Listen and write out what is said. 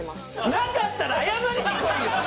なかったら謝りに来いよ！